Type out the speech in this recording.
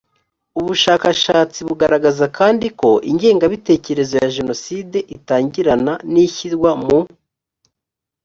ubushakashatsi bugaragaza kandi ko ingengabitekerezo ya jenoside itarangirana n ishyirwa mu